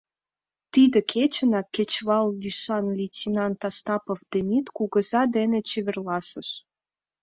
Тиде кечынак кечывал лишан лейтенант Остапов Демид кугыза дене чеверласыш.